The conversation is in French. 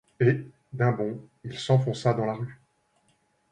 Et, d'un bond, il s'enfonça dans la rue.